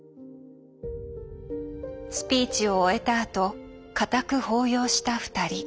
スピーチを終えたあと固く抱擁した２人。